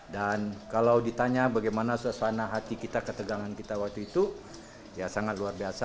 dan kalau ditanya bagaimana suasana hati kita ketegangan kita waktu itu ya sangat luar biasa